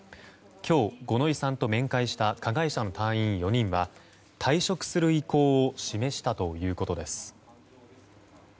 今日、五ノ井さんと面会した加害者の隊員４人は退職する意向を示したということです。